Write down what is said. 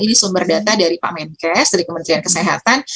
ini sumber data dari pak menkes dari kementerian kesehatan